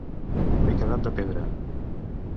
M'he quedat de pedra.